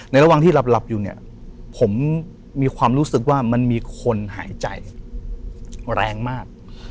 ระหว่างที่หลับอยู่เนี่ยผมมีความรู้สึกว่ามันมีคนหายใจแรงมาก